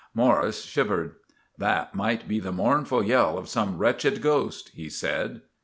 Morris shivered. "That might be the mournful yell of some wretched ghost," he said.